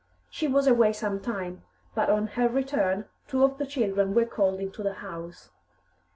She was away some time, but on her return two of the children were called into the house.